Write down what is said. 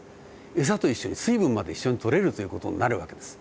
餌と一緒に水分まで一緒にとれるという事になる訳です。